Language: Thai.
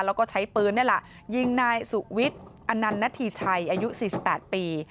แล้วก็ใช้ปืนนี่แหละยิงนายสุวิทย์อนันณฑีชัยอายุ๔๘ปี